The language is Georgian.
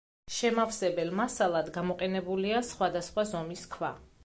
შემავსებელ მასალად გამოყენებულია სხვადასხვა ზომის ქვა.